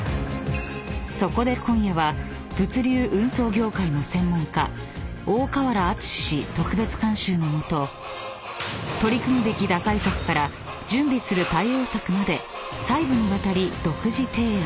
［そこで今夜は物流・運送業界の専門家大河原敦氏特別監修の下取り組むべき打開策から準備する対応策まで細部にわたり独自提案］